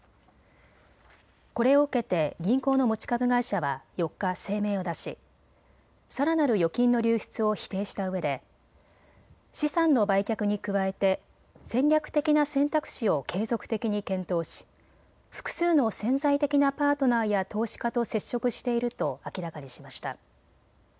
これを受けて銀行の持ち株会社は４日、声明を出しさらなる預金の流出を否定したうえで資産の売却に加えて戦略的な選択肢を継続的に検討し複数の潜在的なパートナーや投資家と接触していると明らかにしました。